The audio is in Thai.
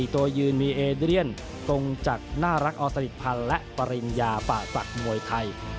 ๔ตัวยืนมีเอเดรียนกงจักรน่ารักออสนิทภัณฑ์และปริญญาฝากฝักมวยไทย